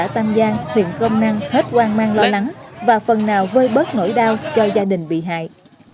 tân giang huyện công năng hết quan mang lo lắng và phần nào vơi bớt nỗi đau cho gia đình bị hại